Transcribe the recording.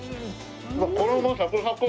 衣サクサク！